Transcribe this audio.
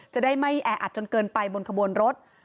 จะได้ไม่แออัดจนเกินไปบนขบวนรถ